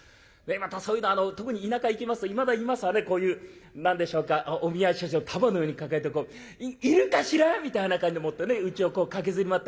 またそういうのは特に田舎行きますといまだいますわねこういう何でしょうかお見合い写真を束のように抱えて「いるかしら？」みたいな感じでもってねうちをこう駆けずり回ったりなんか。